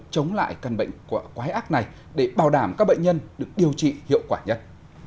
chống lại căn bệnh quái ác này để bảo đảm các bệnh nhân được điều trị hiệu quả nhất